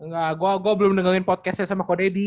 engga gue belum dengerin podcastnya sama ko deddy